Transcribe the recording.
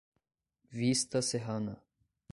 Vista Serrana